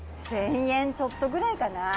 「１０００円ちょっとぐらいかな？」